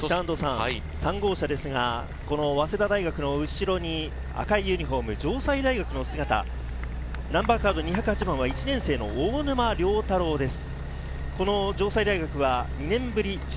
３号車ですが、早稲田大学の後ろに赤いユニホーム、城西大学の姿、ナンバーカード２０８番は１年生の大沼良太郎です。